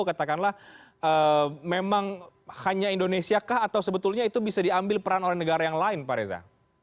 katakanlah memang hanya indonesia kah atau sebetulnya itu bisa diambil peran oleh negara yang lain pak reza